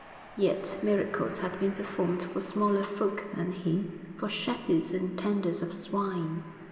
Yet miracles had been performed for smaller folk than he for shepherds and tenders of swine.